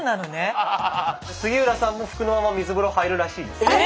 杉浦さんも服のまま水風呂入るらしいです。